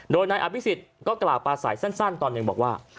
โดยนายอภิษฎก็กล่าวปลาใสสั้นตอนหนึ่งบอกว่า